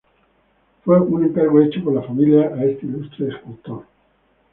Fue un encargo hecho por la familia a este ilustre escultor.